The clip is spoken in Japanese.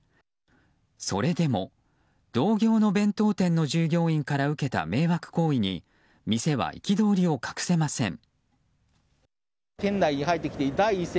それでも同業の弁当店の従業員から受けた迷惑行為に店は憤りを隠せません。